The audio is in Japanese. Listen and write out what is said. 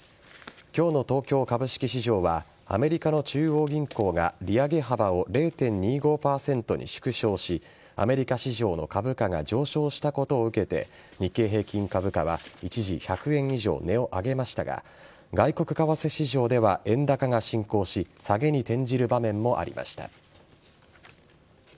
今日の東京株式市場はアメリカの中央銀行が利上げ幅を０．２５％に縮小しアメリカ市場の株価が上昇したことを受けて日経平均株価は一時１００円以上値を上げましたが外国為替市場では円高が進行し下げに転じる場面もありました。